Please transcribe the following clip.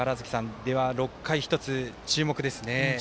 ６回、１つ注目ですね。